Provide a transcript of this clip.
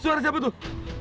suara siapa tuh